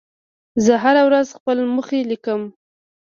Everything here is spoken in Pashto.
زه هره ورځ خپل موخې لیکم.